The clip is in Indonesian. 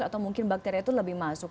atau mungkin bakteri itu lebih masuk